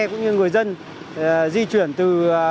cũng như người dân di chuyển từ